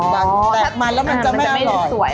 แต่มันแล้วมันจะไม่อร่อย